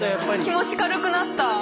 気持ち軽くなった。